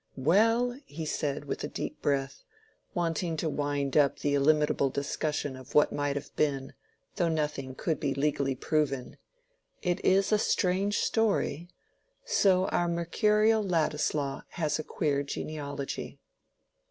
"Well," he said, with a deep breath, wanting to wind up the illimitable discussion of what might have been, though nothing could be legally proven, "it is a strange story. So our mercurial Ladislaw has a queer genealogy!